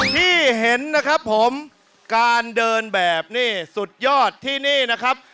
ที่เห็นนะครับผมการเดินแบบนี้สุดยอดที่นี่นะครับ